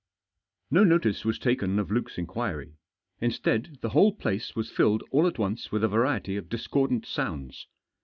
No notice was taken of Luke's inquiry. Instead, the whole place was filled all at once with a variety of discordant sounds.